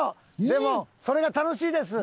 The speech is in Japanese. でもそれが楽しいです。